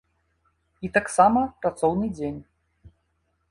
І таксама працоўны дзень.